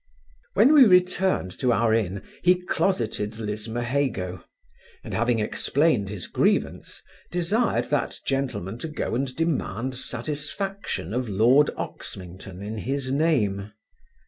When we returned to our inn, he closeted Lismahago; and having explained his grievance, desired that gentleman to go and demand satisfaction of lord Oxmington in his name.